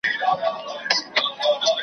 زما پر کهاله لویه سې ملاله مېړنۍ .